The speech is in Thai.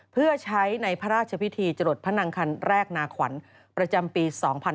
เพื่อใช้ในพระราชพิธีจรดพระนังคันแรกนาขวัญประจำปี๒๕๕๙